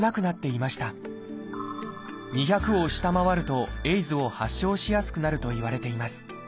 ２００を下回るとＡＩＤＳを発症しやすくなるといわれています。